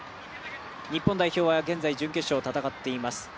日本代表は現在準決勝を戦っています。